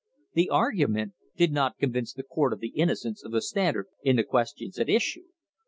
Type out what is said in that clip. The argument did not convince the court of the innocence of the Standard in the questions at issue.